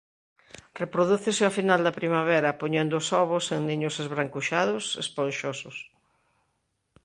Reprodúcese ao final da primavera poñendo os ovos en niños esbrancuxados esponxosos.